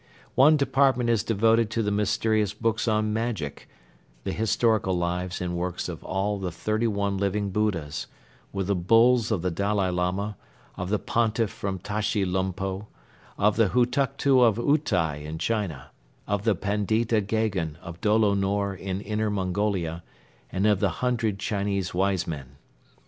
One department is devoted to the mysterious books on magic, the historical lives and works of all the thirty one Living Buddhas, with the bulls of the Dalai Lama, of the Pontiff from Tashi Lumpo, of the Hutuktu of Utai in China, of the Pandita Gheghen of Dolo Nor in Inner Mongolia and of the Hundred Chinese Wise Men.